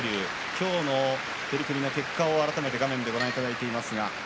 今日の取組の結果を改めてご覧いただいています。